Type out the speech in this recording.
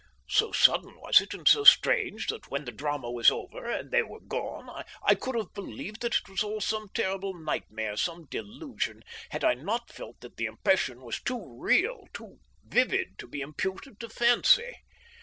So sudden was it, and so strange, that when the drama was over and they were gone I could have believed that it was all some terrible nightmare, some delusion, had I not felt that the impression was too real, too vivid, to be imputed to fancy.